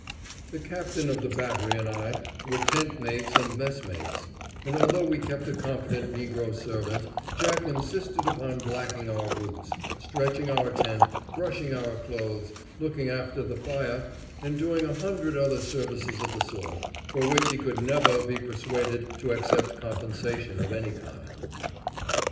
The captain of the battery and I were tent mates and mess mates, and although we kept a competent negro servant, Jack insisted upon blacking our boots, stretching our tent, brushing our clothes, looking after our fire, and doing a hundred other services of the sort, for which he could never be persuaded to accept compensation of any kind.